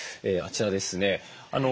あちらですね。